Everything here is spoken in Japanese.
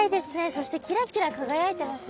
そしてキラキラ輝いてますね。